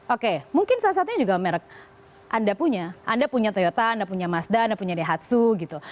oke mungkin salah satunya juga merek anda punya anda punya toyota anda punya mazda anda punya dehihatsu gitu